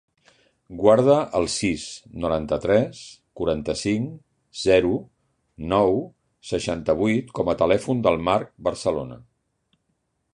Guarda el sis, noranta-tres, quaranta-cinc, zero, nou, seixanta-vuit com a telèfon del Mark Barcelona.